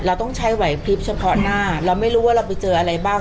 เราต้องใช้ไหวพลิบเฉพาะหน้าเราไม่รู้ว่าเราไปเจออะไรบ้าง